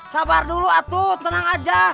sabar dulu atuh tenang aja